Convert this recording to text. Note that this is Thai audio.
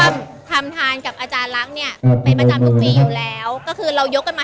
สมุนไพรน้ำเก้งหวยน้ำลำใย